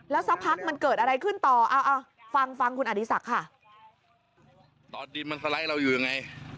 แล้วสักพักมันเกิดอะไรขึ้นต่อฟังคุณอดีศักดิ์ค่ะ